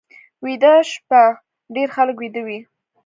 ویده شپه ډېر خلک ویده وي